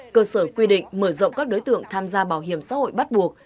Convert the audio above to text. cơ sở quy định mở rộng các đối tượng tham gia bảo hiểm xã hội bắt buộc